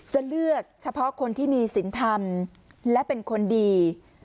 จะเลือกเฉพาะคนที่มีสินธรรมและเป็นคนดี